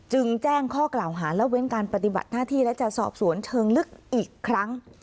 แจ้งข้อกล่าวหาและเว้นการปฏิบัติหน้าที่และจะสอบสวนเชิงลึกอีกครั้ง